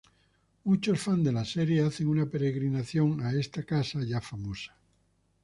Muchos fans de la serie hacen una peregrinación a esta casa ya famosa.